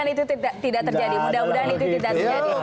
itu tidak terjadi mudah mudahan itu tidak terjadi